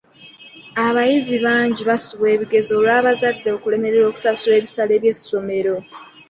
Abayizi bangi basubwa ebigezo olw'abazadde okulemererwa okusasula ebisale by'essomero.